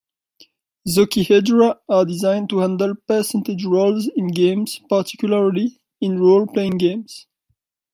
Zocchihedra are designed to handle percentage rolls in games, particularly in role-playing games.